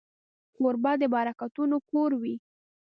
کوربه د برکتونو کور وي.